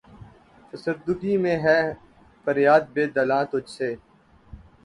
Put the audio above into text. فسردگی میں ہے فریادِ بے دلاں تجھ سے